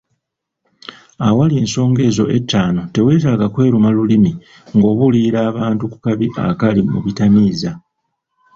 Awali ensonga ezo ettaano, teweetaaga kweruma lulimi ng'obuulirira abantu ku kabi akali mu bitamiiza.